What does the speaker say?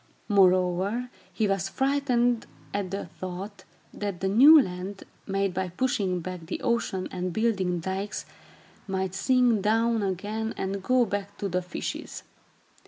Moreover, he was frightened at the thought that the new land, made by pushing back the ocean and building dykes, might sink down again and go back to the fishes.